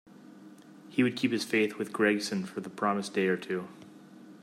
He would keep his faith with Gregson for the promised day or two.